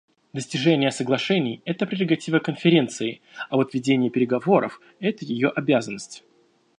Достижение соглашений − это прерогатива Конференции, а вот ведение переговоров − это ее обязанность.